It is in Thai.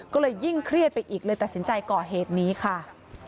ก็เลยยิ่งเครียดไปอีกเลยตัดสินใจก่อเหตุนี้ค่ะ